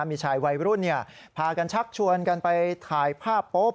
มีชายวัยรุ่นพากันชักชวนกันไปถ่ายภาพโป๊บ